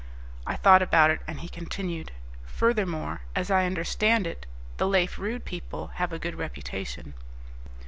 I thought about it, and he continued, "Furthermore, as I understand it, the Lafe Rude people have a good reputation."